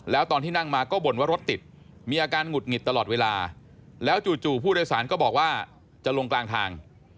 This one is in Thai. แล้วตอนที่นั่งมาก็บ่นว่ารถติดมีอาการหงุดหงิดตลอดเวลาแล้วจู่ผู้โดยสารก็บอกว่าจะลงกลางทาง